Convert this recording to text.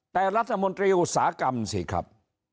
แต่รัฐมนตรีอุตสาหกรรมสิครับ